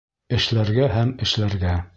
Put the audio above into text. Эшләргә һәм эшләргә